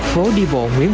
phố đi bộ nguyễn quỳnh